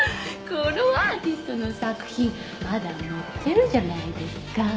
このアーティストの作品まだ持ってるじゃないですか？